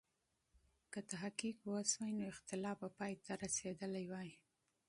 که تحقیق و سوای، نو اختلاف به پای ته رسېدلی وای.